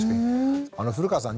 古川さん